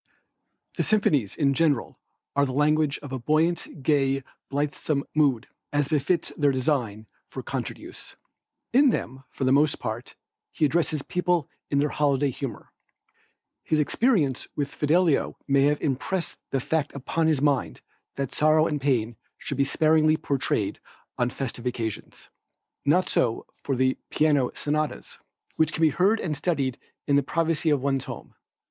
The symphonies in general are the language of a buoyant, gay, blithesome mood, as befits their design for concert use. In them, for the most part, he addresses people in their holiday humor. His experience with Fidelio may have impressed the fact upon his mind that sorrow and pain should be sparingly portrayed on festive occasions. Not so with the piano sonatas, which can be heard and studied in the privacy of one's home.